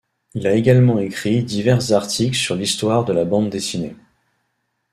Il a également écrit divers articles sur l'histoire de la bande dessinée.